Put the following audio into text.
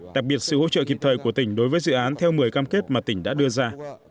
đặc biệt sự hỗ trợ kịp thời của tỉnh đối với dự án theo một mươi cam kết mà tỉnh đã đưa ra